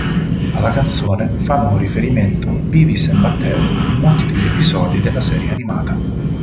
Alla canzone fanno riferimento Beavis and Butt-head in molti degli episodi della serie animata.